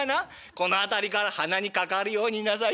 この辺りから鼻にかかるようになさい。